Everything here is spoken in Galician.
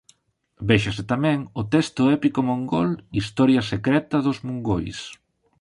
Véxase tamén o texto épico mongol "Historia secreta dos mongois".